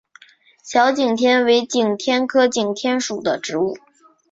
小景天为景天科景天属的植物。